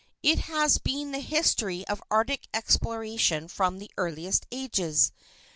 It has been the history of arctic exploration from the earliest ages.